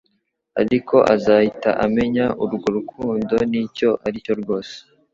Ariko uzahita umenya urwo rukundo nicyo aricyo cyose